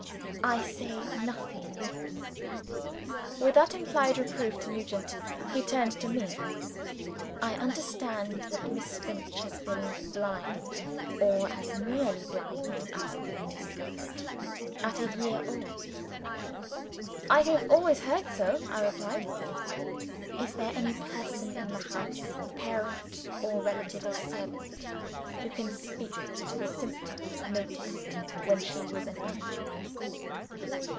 "I say nothing yet." With that implied reproof to Nugent, he turned to me. "I understand that Miss Finch was blind or as nearly blind as could be discovered at a year old?" "I have always heard so," I replied. "Is there any person in the house parent, or relative, or servant who can speak to the symptoms noticed when she was an infant?"